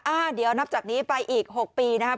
เดี๋ยวนับจากนี้ไปอีก๖ปีนะครับ